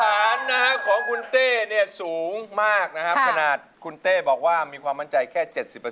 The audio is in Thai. มาตรฐานของคุณเต้นี่สูงมากนะครับคณะคุณเต้บอกว่ามีความมั่นใจแค่๗๐